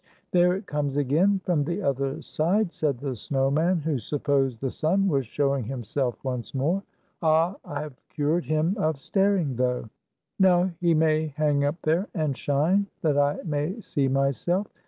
" There it comes again, from the other side," said the snow man, who supposed the sun was showing himself once more. "Ah, I have cured him of staring, though. Now he may hang up there, and shine, that I may see myself.